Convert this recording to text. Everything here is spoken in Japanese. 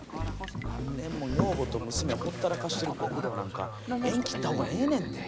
何年も女房と娘ほったらかしてる極道なんか縁切ったほうがええねんて。